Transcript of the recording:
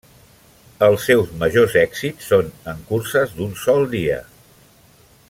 Els seus majors èxits són en curses d'un sol dia.